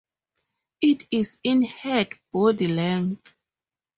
It is in head-body length.